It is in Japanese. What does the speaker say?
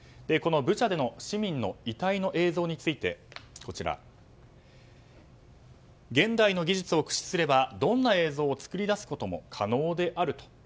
このブチャでの市民の遺体の映像について現代の技術を駆使すればどんな映像を作り出すことも可能であると。